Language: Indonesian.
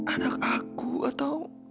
anak aku atau